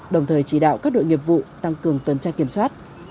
đồng thời chỉ đạo các đội nghiệp vụ tăng cường tuần tra kiểm soát